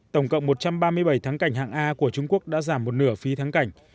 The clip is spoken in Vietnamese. tổng cộng một trăm ba mươi bảy tháng cảnh hạng a của trung quốc đã giảm một nửa phí tháng cảnh